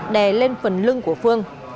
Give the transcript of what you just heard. đè lên phần lưng của phương